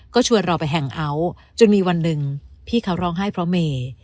ก็ชวนเราไปแห่งเอาท์จนมีวันหนึ่งพี่เขาร้องไห้เพราะเมย์